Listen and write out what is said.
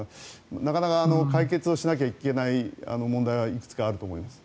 なかなか解決しなきゃいけない問題はいくつかあると思います。